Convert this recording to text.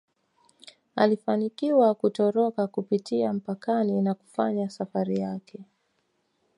Alifanikiwa kutoroka kupitia mpakani na kufanya safari yake